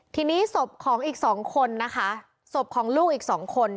ทีนี้ศพของอีกสองคนนะคะศพของลูกอีกสองคน